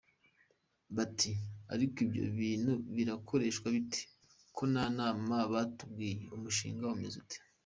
Bati ariko ibyo bintu birakoreshwa bite? Ko nta nama batubwiye? Umushinga umeze ute?.